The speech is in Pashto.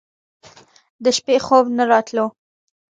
د شپې خوب نه راتلو.